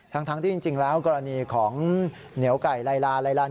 ทางที่จริงแล้วกร